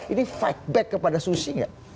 ini fight back kepada susi nggak